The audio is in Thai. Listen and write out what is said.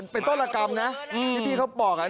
ไปต้นละกรรมน่ะที่สิทธิ์เขาบอก